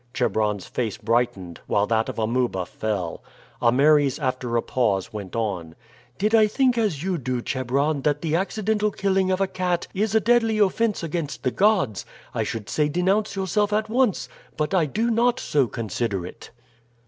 Chebron's face brightened, while that of Amuba fell. Ameres, after a pause, went on: "Did I think as you do, Chebron, that the accidental killing of a cat is a deadly offense against the gods, I should say denounce yourself at once, but I do not so consider it."